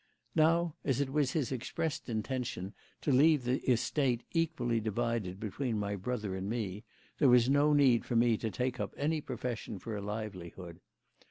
Now, as it was his expressed intention to leave the estate equally divided between my brother and me, there was no need for me to take up any profession for a livelihood.